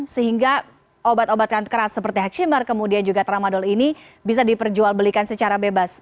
sehingga obat obatan keras seperti heksimar kemudian juga tramadol ini bisa diperjualbelikan secara bebas